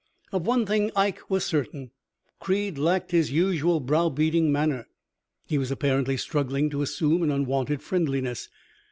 Of one thing Ike was certain Creed lacked his usual browbeating manner. He was apparently struggling to assume an unwonted friendliness.